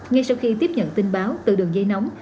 ngay sau khi tiếp nhận tin báo từ đường dây nóng